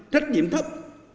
trách nhiệm thấp